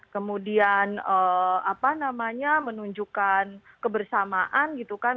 kemudian apa namanya menunjukkan kebersamaan gitu kan